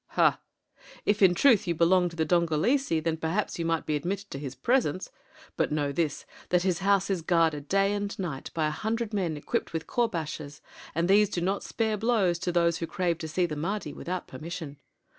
"Ha! If in truth you belong to the Dongolese, then perhaps you might be admitted to his presence. But know this, that his house is guarded day and night by a hundred men equipped with courbashes, and these do not spare blows to those who crave to see the Mahdi without permission.